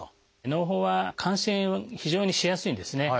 のう胞は感染非常にしやすいんですね。